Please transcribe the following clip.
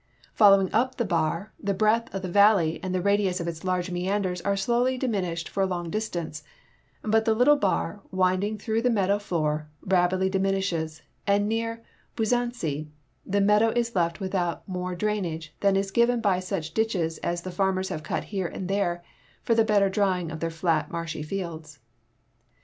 FolloAving up the Bar, the breadth of the valley and the radius of its large meanders are slowly diminished for a long distance ; but the little Bar winding through the meadow floor, rapidly diminishes, and near Buzanc}'' the meadow is left without more drainage than is given by such ditches as the farmers have cut here and there for the better drying of their flat, marshy fields.